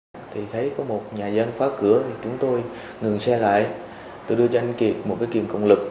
thì thấy có một nhà dân khóa cửa thì chúng tôi ngừng xe lại tôi đưa cho anh kiệt một cái kìm cộng lực